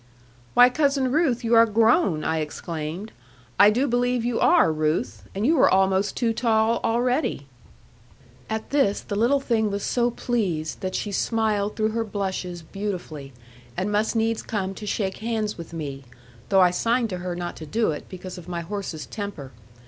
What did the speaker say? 'Why, Cousin Ruth, you are grown, I exclaimed; 'I do believe you are, Ruth. And you were almost too tall, already.' At this the little thing was so pleased, that she smiled through her blushes beautifully, and must needs come to shake hands with me; though I signed to her not to do it, because of my horse's temper.